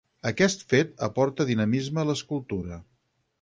Aquest fet aporta dinamisme a l'escultura.